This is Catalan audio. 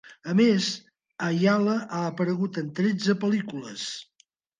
A més, Ayala ha aparegut en tretze pel·lícules.